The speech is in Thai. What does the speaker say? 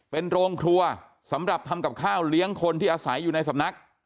เป็นโรงครัวสำหรับทำกับข้าวเลี้ยงคนที่อาศัยอยู่ในสำนัก